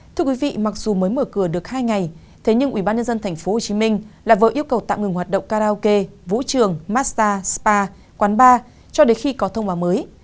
thưa quý vị mặc dù mới mở cửa được hai ngày thế nhưng ubnd tp hcm lại vừa yêu cầu tạm ngừng hoạt động karaoke vũ trường masta spa quán bar cho đến khi có thông báo mới